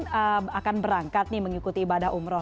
yang akan berangkat nih mengikuti ibadah umroh